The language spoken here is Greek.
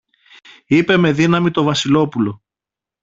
είπε με δύναμη το Βασιλόπουλο.